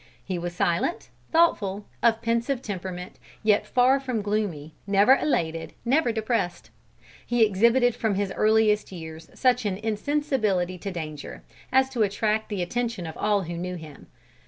He was silent, thoughtful, of pensive temperament, yet far from gloomy, never elated, never depressed. He exhibited from his earliest years such an insensibility to danger, as to attract the attention of all who knew him.